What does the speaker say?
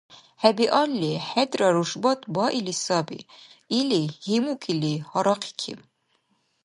— ХӀебиалли, хӀедра рушбат баили саби, — или, гьимукӀили, гьарахъикиб.